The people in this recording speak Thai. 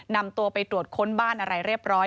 นำตัวไปตรวจค้นบ้านอะไรเรียบร้อย